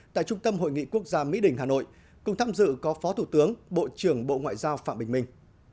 tại trung tâm hội nghị quốc gia mỹ đình hà nội cùng tham dự có phó thủ tướng bộ trưởng bộ ngoại giao phạm bình minh